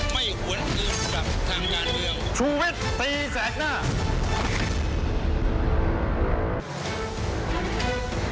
ไม่หวนอื่นกับทางด้านเดียว